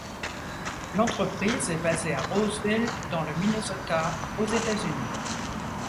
L'entreprise est basé à Roseville dans le Minnesota aux États-Unis.